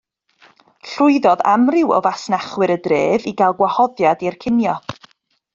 Llwyddodd amryw o fasnachwyr y dref i gael gwahoddiad i'r cinio.